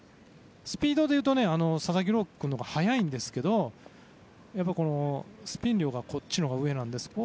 スピードでいうと佐々木朗希君のほうが速いんですけどスピン量がこっちのほうが上なので。